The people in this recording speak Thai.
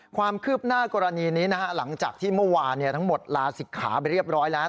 ความคืบหน้ากรณีนี้หลังจากที่เมื่อวานทั้งหมดลาศิกขาไปเรียบร้อยแล้ว